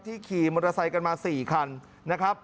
ขี่มอเตอร์ไซค์กันมา๔คันนะครับ